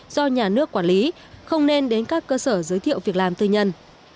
do nhà nước quản lý không nên đến các cơ sở giới thiệu việc làm tư nhân